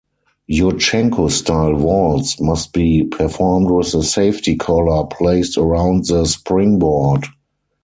Yurchenko-style vaults must be performed with a safety collar placed around the springboard.